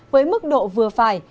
với mức độ vừa phải